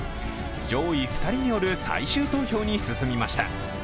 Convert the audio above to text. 上位２人による最終投票に進みました。